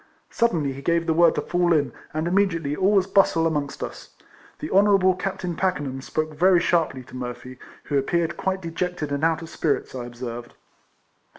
Suddenly he gave the word to fall in, and immediately all was bustle amongst us. The Honourable Captain Packenham spoke very sharply to Murphy, who appeared quite dejected and out of spirits, I observed.